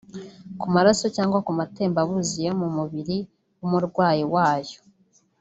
ku maraso cyangwa ku matembabuzi yo mu mubiri w’umurwayi wayo